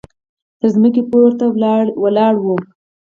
تر ځمکې پورته ولاړه وه.